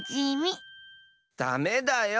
ダメだよ！